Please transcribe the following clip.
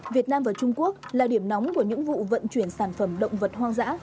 việt nam và trung quốc là điểm nóng của những vụ vận chuyển sản phẩm động vật hoang dã